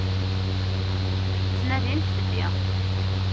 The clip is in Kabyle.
Ttnadint fell-i.